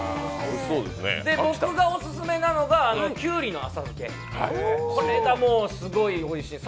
僕がオススメなのがきゅうりの浅漬け、これがもう、すごいおいしいんです。